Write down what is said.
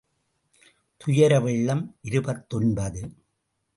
துயர வெள்ளம் இருபத்தொன்பது.